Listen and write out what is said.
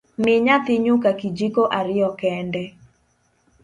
Mi nyathi nyuka kijiko ariyo kende